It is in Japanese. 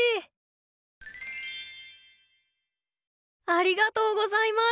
ありがとうございます。